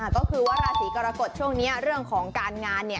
ก็คือว่าราศีกรกฎช่วงนี้เรื่องของการงาน